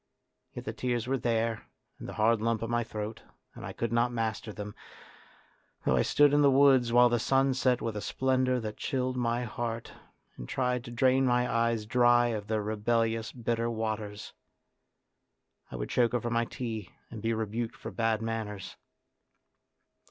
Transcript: Yet the tears were there and the hard lump in my throat, and I could not master them, though I stood in the woods while the sun set with a splendour that chilled my heart, and tried to drain my eyes dry of their rebellious, bitter 44 A DRAMA OF YOUTH waters. I would choke over my tea and be rebuked for bad manners.